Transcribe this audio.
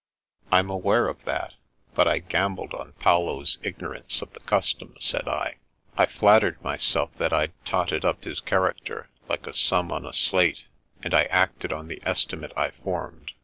" I'm aware of that, but I gambled on Paolo^s ignorance of the custom," said I. " I flattered my self that I'd totted up his character like a sum on a slate, and I acted on the estimate I formed.